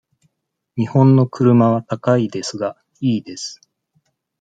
日本の車は高いですが、いいです。